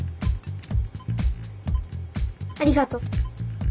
ありがとう。